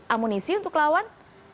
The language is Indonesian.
amunisi untuk lawan